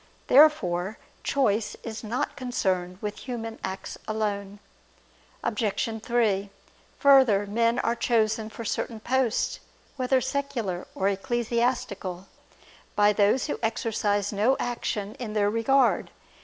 Therefore choice is not concerned with human acts alone. Obj. 3: Further, men are chosen for certain posts, whether secular or ecclesiastical, by those who exercise no action in their regard.